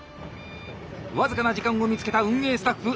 僅かな時間を見つけた運営スタッフ。